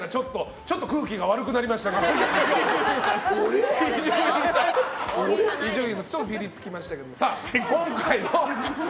ちょっと空気が悪くなりましたけど。